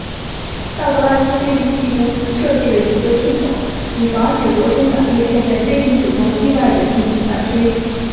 道格拉斯飞行器公司设计了一个系统以防止螺旋桨叶片在飞行途中意外地进行反推。